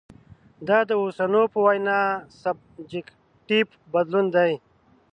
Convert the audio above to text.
دا د اوسنو په وینا سبجکټیف بدلون دی.